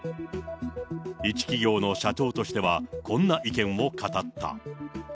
一企業の社長としては、こんな意見を語った。